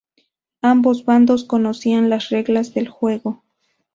Ambos bandos conocían las reglas del juego.